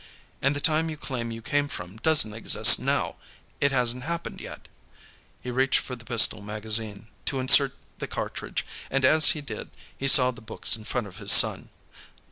And the time you claim you came from doesn't exist, now; it hasn't happened yet." He reached for the pistol magazine, to insert the cartridge, and as he did, he saw the books in front of his son.